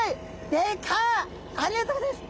ありがとうございます。